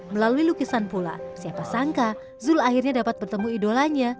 melalui lukisan pula siapa sangka zul akhirnya dapat bertemu idolanya